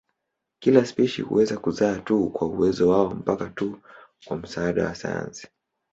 Kila spishi huweza kuzaa tu kwa uwezo wao mpaka tu kwa msaada wa sayansi.